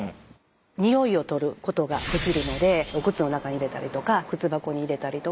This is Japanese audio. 臭いを取ることができるのでお靴の中に入れたりとか靴箱に入れたりとか。